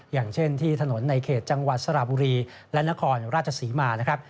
อย่างเช่นที่ถนนในเขตจังหวัดสระบุรีและนครราชศรีมานะครับ